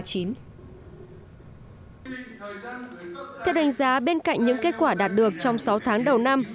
theo đánh giá bên cạnh những kết quả đạt được trong sáu tháng đầu năm